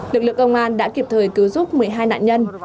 lực lượng công an đã kịp thời cứu giúp một mươi hai nạn nhân